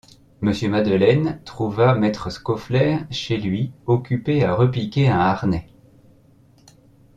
Monsieur Madeleine trouva maître Scaufflaire chez lui occupé à repiquer un harnais.